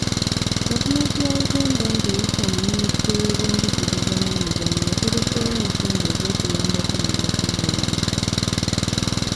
Gavumenti ya Uganda ng'eyita mu Minisitule y'ebyenjigiriza n'emizannyo etereseewo ensimbi oz'okuyambako mu by'okubuuliriza.